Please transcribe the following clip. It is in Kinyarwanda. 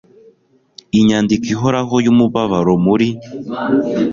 Inyandiko ihoraho yumubabaro muri